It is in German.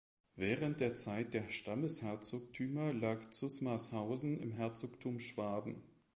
Während der Zeit der Stammesherzogtümer lag Zusmarshausen im Herzogtum Schwaben.